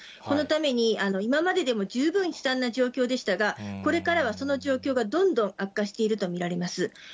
このために、今まででも十分悲惨な状況でしたが、これからはその状況がどんどん悪化していると見られます。